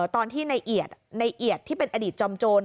ตอนที่ในเอียดที่เป็นอดีตจอมโจร